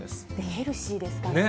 ヘルシーですからね。